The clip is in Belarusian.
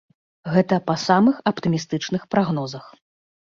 Гэта па самых аптымістычных прагнозах.